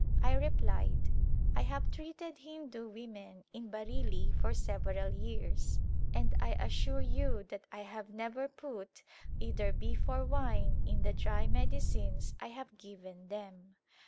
I replied, " I have treated Hindu women in Bareilly for several years and I assure you that I have never put either beef or wine in the dry medicines I have given them."